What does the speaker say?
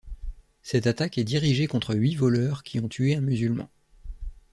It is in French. Cette attaque est dirigée contre huit voleurs qui ont tué un musulman.